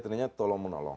ternyata tolong menolong